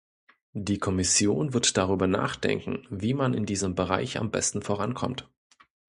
Die Kommission wird darüber nachdenken, wie man in diesem Bereich am besten vorankommt.